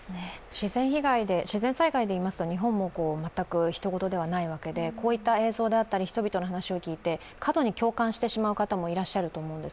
自然災害でいいますと日本も全くひと事ではないわけでこういった映像であったり人々の話を聞いて過度に共感してしまう方もいらっしゃると思うんです。